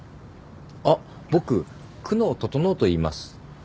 僕久能整といいます。